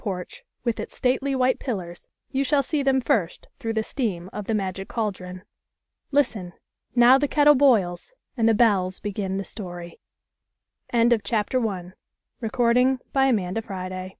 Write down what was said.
porch, with its stately white pillars, you shall see them first through the steam of the magic caldron.) Listen 1 Now the kettle boils and the bells begin the story I CHAPTER I